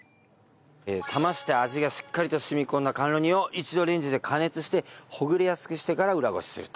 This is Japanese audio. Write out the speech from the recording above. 冷まして味がしっかりと染み込んだ甘露煮を一度レンジで加熱してほぐれやすくしてから裏漉しすると。